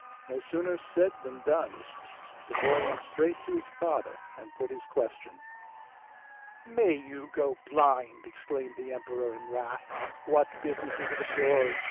No sooner said than done; the boy went straight to his father and put his question. 'May you go blind!' exclaimed the emperor in wrath; 'what business is it of yours?